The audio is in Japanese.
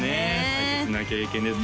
大切な経験です